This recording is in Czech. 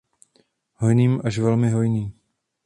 Hojný až velmi hojný.